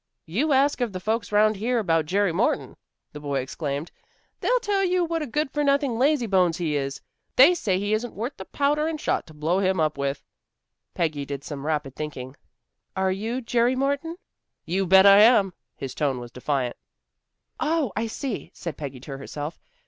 "You ask any of the folks 'round here about Jerry Morton," the boy exclaimed. "They'll tell you what a good for nothing lazy bones he is. They'll say he isn't worth the powder and shot to blow him up with." Peggy did some rapid thinking. "Are you Jerry Morton?" "You bet I am." His tone was defiant. "Oh, I see," said Peggy to herself.